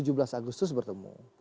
tujuh belas agustus bertemu